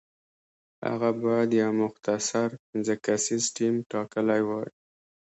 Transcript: هغه باید یو مختصر پنځه کسیز ټیم ټاکلی وای.